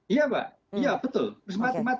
iya pak iya betul